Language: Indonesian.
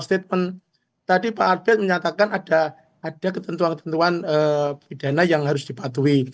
jadi tadi pak arbiet menyatakan ada ketentuan ketentuan pidana yang harus dipatuhi